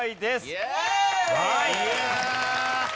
イエーイ！